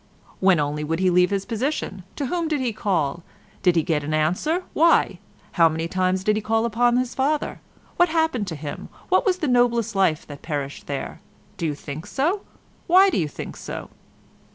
'When only would he leave his position? To whom did he call? Did he get an answer? Why? How many times did he call upon his father? What happened to him? What was the noblest life that perished there? Do you think so? Why do you think so?